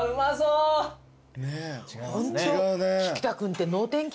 ホント。